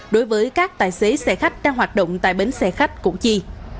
đối với các tài xế xe khách đang hoạt động tại bến xe khách củ chi